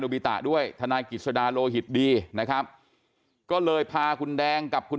บิตะด้วยทนายกิจสดาโลหิตดีนะครับก็เลยพาคุณแดงกับคุณ